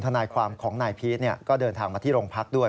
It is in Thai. ทนายความของนายพีชก็เดินทางมาที่โรงพักด้วย